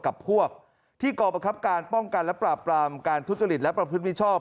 กับพวกที่กรประคับการป้องกันและปราบปรามการทุจริตและประพฤติมิชชอบ